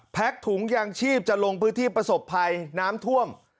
ถุงยางชีพจะลงพื้นที่ประสบภัยน้ำท่วม